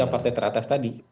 tiga partai terakhir ini